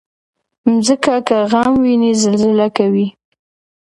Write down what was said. مځکه که غم وویني، زلزله کوي.